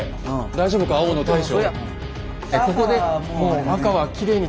大丈夫か青の大将。